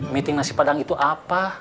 meeting nasi padang itu apa